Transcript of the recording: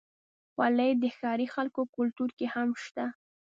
خولۍ د ښاري خلکو کلتور کې هم شته.